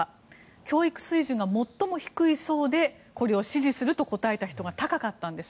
教育水準が最も低い層でこれを支持すると答えた人の率が高かったんです。